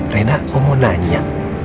rena om mau nanya